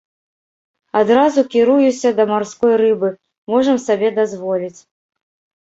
Адразу кіруюся да марской рыбы, можам сабе дазволіць!